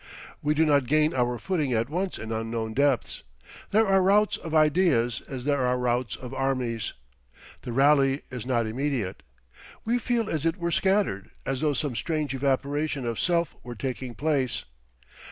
We do not gain our footing at once in unknown depths. There are routs of ideas, as there are routs of armies. The rally is not immediate. We feel as it were scattered as though some strange evaporation of self were taking place.